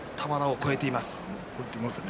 越えていますね。